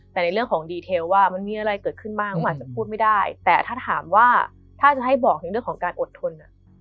แต่ในเรื่องของดีเทลว่ามันมีอะไรเกิดขึ้นบ้างก็อาจจะพูดไม่ได้แต่ถ้าถามว่าถ้าจะให้บอกในเรื่องของการอดทน